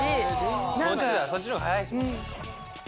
そっちの方が早いですもんね。